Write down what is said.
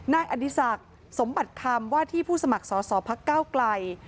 น่าอธิสักธิ์สมบัติคำว่าที่ผู้สมัครสอบสอบพระเก้ากลัย